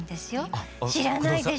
知らないでしょ？